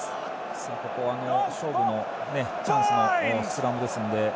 ここは勝負のチャンスのスクラムですので。